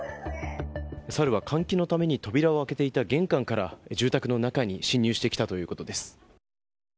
サルは換気のために扉を開けていた玄関から住宅の中に侵入してきたということです。